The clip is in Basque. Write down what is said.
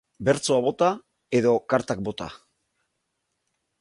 Bertsoa bota edo kartak bota.